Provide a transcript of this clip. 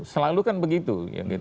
selalu kan begitu